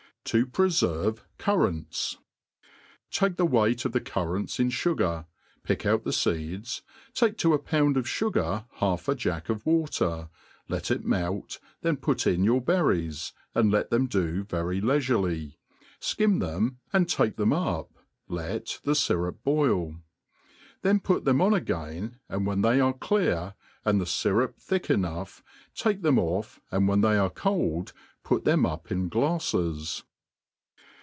* 7i prefefvi CtHrtanis. Take the weight of the currants in fugafr^ pick out the feeds; cake to a pound of fugar half a jack of water, let it ipelt, then put in your berries^ and let them do very leifurelyt, fkim them, and take them up, let the (yrup boil ; then put them dn again, and \vhcn they ' ate deaY; ahd the (jfrup thick enough, take theiti off, add when they are cold put them up in glaile^.